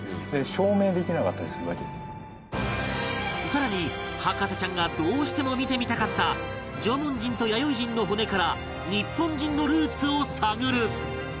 更に博士ちゃんがどうしても見てみたかった縄文人と弥生人の骨から日本人のルーツを探る